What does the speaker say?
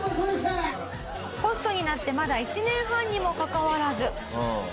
ホストになってまだ１年半にもかかわらず。